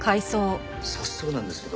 早速なんですけど。